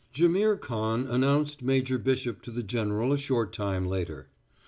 Jaimihr Khan announced Major Bishop to the general a short time later.